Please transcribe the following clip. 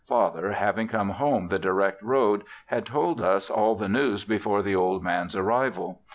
Father having come home the direct road had told us all the news before the old man's arrival.